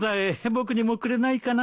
僕にもくれないかな？